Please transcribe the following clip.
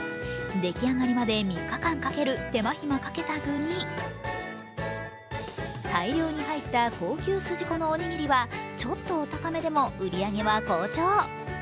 できあがりまで３日間かける手間暇かけた具に大量に入った高級筋子のおにぎりはちょっとお高めでも売り上げは好調。